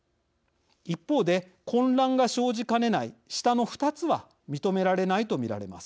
一方で、混乱が生じかねない下の２つは認められないと見られます。